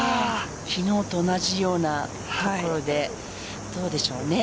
昨日と同じような所でどうでしょうね。